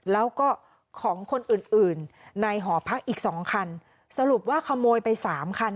แล้วก็ของคนอื่นอื่นในหอพักอีกสองคันสรุปว่าขโมยไปสามคัน